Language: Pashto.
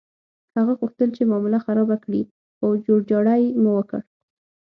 هغه غوښتل چې معامله خرابه کړي، خو جوړجاړی مو وکړ.